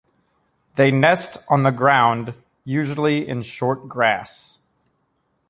They nest on the ground, usually in short grass.